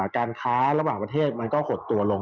การค้าระหว่างประเทศมันก็หดตัวลง